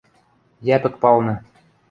Йӓпӹк палны.